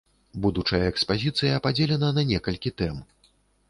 Будучая экспазіцыя падзелена на некалькі тэм.